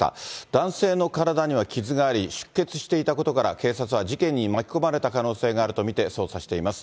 男性の体には傷があり、出血していたことから、警察は事件に巻き込まれた可能性があると見て捜査しています。